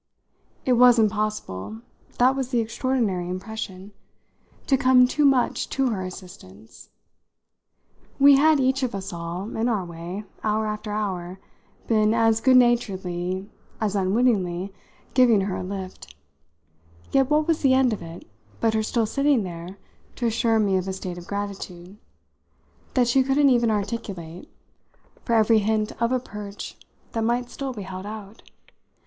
It was impossible that was the extraordinary impression to come too much to her assistance. We had each of us all, in our way, hour after hour, been, as goodnaturedly as unwittingly, giving her a lift; yet what was the end of it but her still sitting there to assure me of a state of gratitude that she couldn't even articulate for every hint of a perch that might still be held out?